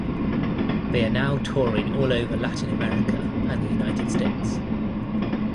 They are now touring all over Latin America and the United States.